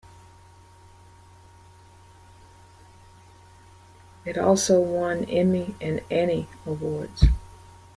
It also won Emmy and Annie awards.